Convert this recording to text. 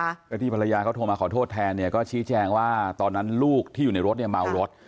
พระเยยไอดีพระยาทรงมาขอโทษแทนใช้แจ้งว่าลูกที่อยู่ในรถเนี่ยมารถ